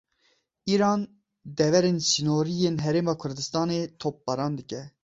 Îran deverên sinorî yên Herêma Kurdistanê topbaran dike.